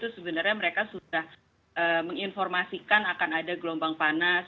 sebenarnya mereka sudah menginformasikan akan ada gelombang panas